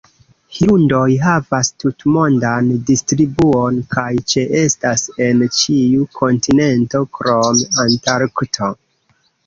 Hirundoj havas tutmondan distribuon, kaj ĉeestas en ĉiu kontinento krom Antarkto.